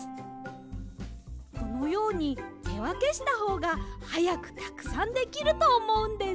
このようにてわけしたほうがはやくたくさんできるとおもうんです。